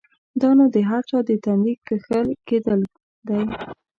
دا نو د هر چا د تندي کښل کېدل دی؛